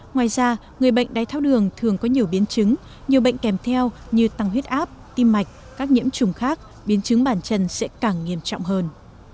ngoài ra người bệnh đáy tháo đường thường có nhiều biến chứng nhiều bệnh kèm theo như tăng huyết áp tim mạch các nhiễm trùng khác biến chứng bản chân sẽ càng nghiêm trọng hơn